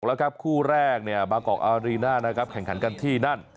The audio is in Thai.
แล้วครับคู่แรกเนี่ยบางกอกอารีน่านะครับแข่งขันกันที่นั่น